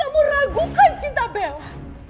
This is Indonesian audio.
kamu ragukan cinta bella